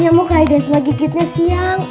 nyamuk aedes mah gigitnya siang